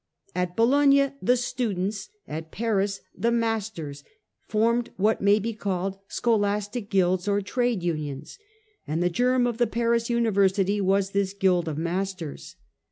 At Bologna the students, at Paris the masters, formed what may be called scholastic guilds or trade unions, and the germ of the Paris University was this guild of masters.